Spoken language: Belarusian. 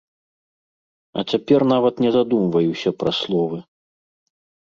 А цяпер нават не задумваюся пра словы.